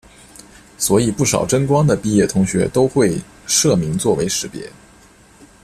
所以不少真光的毕业同学都会社名作为识别。